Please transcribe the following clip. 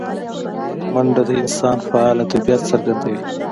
منډه د انسان فعاله طبیعت څرګندوي